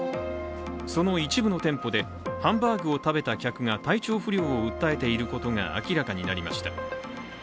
その一部の店舗で、ハンバーグを食べた客が体調不良を訴えていることが明らかになりました。